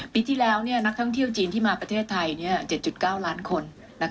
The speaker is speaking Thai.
ปีที่แล้วนักท่องเที่ยวจีนที่มาประเทศไทย๗๙ล้านคน